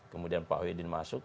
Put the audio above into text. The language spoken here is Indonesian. kemudian pak wiedin masuk